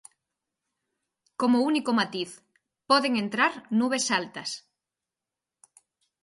Como único matiz, poden entrar nubes altas.